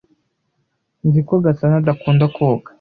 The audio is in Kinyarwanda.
Nzi ko Gasana adakunda koga.